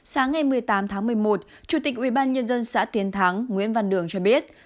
sáng ngày một mươi tám tháng một mươi một chủ tịch ubnd xã tiến thắng nguyễn văn đường cho biết